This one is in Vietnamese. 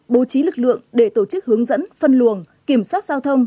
bố trí lực lượng để tổ chức hướng dẫn phân luồng kiểm soát giao thông